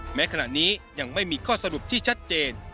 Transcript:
พฤติกรรมเจ้าลาหู่แม้ขณะนี้ยังไม่มีข้อสรุปที่ชัดเจน